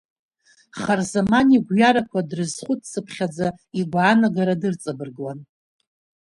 Харзаман игәҩарақәа дрызхәыц-цыԥхьаӡа игәаанагара дырҵабыргуан.